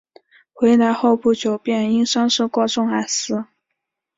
回来后不久便因伤势过重而死。